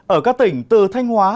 ở các tỉnh từ thanh hóa